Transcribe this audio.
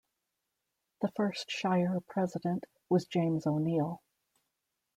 The first Shire President was James O'Neill.